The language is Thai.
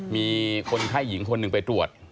มีคนไข้หญิงคนหนึ่งไปตรวจ